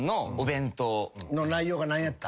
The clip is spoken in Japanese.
内容が何やった？